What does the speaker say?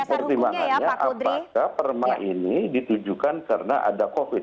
pertimbangannya apakah perma ini ditujukan karena ada covid